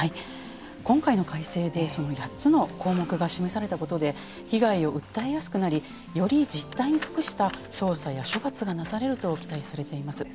今回の改正で８つの項目が示されたことで被害を訴えやすくなりより実態に即した捜査や処罰がなされると期待されています。